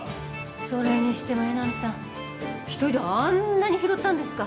それにしても江波さん１人であんなに拾ったんですか？